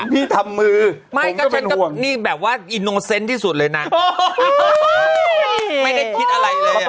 พี่ทำมือไม่ก็ฉันก็นี่แบบว่าที่สุดเลยน่ะไม่ได้คิดอะไรเลยอ่ะ